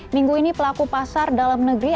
minggu ini pelaku pasar dalam negeri